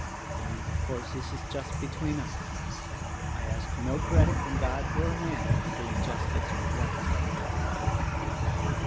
Only, of course, this is between us. I ask no credit from God or man for doing justice and right."